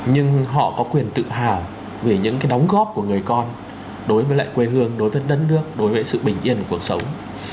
nhưng họ có quyền tự hào về những cái đóng góp của người con đối với lại quê hương đối với đất nước đối với sự bình yên của cuộc sống